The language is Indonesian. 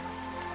kalau kau setuju